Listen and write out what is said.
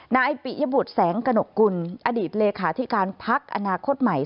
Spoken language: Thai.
นายปิยบุตรแสงกระหนกกุลอดีตเลขาธิการพักอนาคตใหม่